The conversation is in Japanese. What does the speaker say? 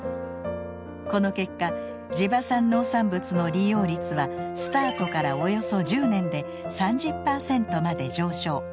この結果地場産農産物の利用率はスタートからおよそ１０年で３０％まで上昇。